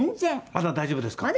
「まだ大丈夫ですか？」